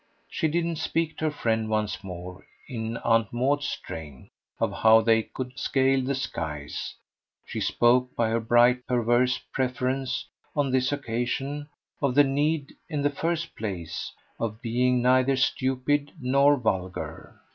She didn't speak to her friend once more, in Aunt Maud's strain, of how they could scale the skies; she spoke, by her bright perverse preference on this occasion, of the need, in the first place, of being neither stupid nor vulgar.